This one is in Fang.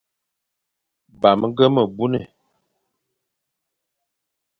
Bamge me buné,